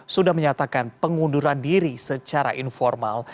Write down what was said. sudah menyatakan pengunduran diri secara informal